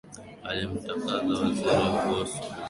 alimtaka waziri mkuu beros koni kujiuzulu